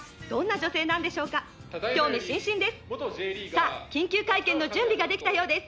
「さぁ緊急会見の準備が出来たようです。